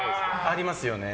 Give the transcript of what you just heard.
ありますよね。